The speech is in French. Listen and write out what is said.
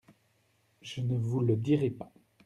Je ne vous le dirai pas.